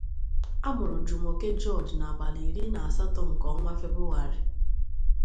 A mụrụ Jumoke George n'abalị iri na asatọ nke onwa Febụwarị.